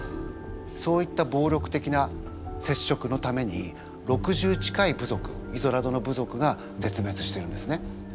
そういったぼうりょく的なせっしょくのために６０近い部族イゾラドの部族が絶滅してるんですね。